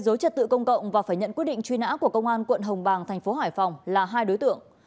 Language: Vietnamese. dối trật tự công cộng và phải nhận quyết định truy nã của công an tp hải phòng là hai đối tượng